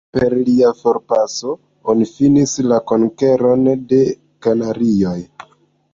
Per lia forpaso, oni finis la Konkeron de Kanarioj.